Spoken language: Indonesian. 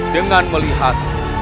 dengan melihat